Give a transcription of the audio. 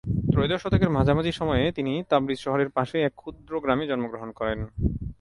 ত্রয়োদশ শতকের মাঝামাঝি সময়ে তিনি তাবরিজ শহরের পাশে এক ক্ষুদ্র গ্রামে জন্মগ্রহণ করেন।